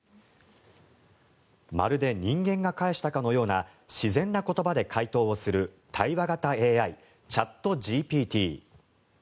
まるで人間が返したかのような自然な言葉で回答する対話型ＡＩ、ＣｈａｔＧＰＴ。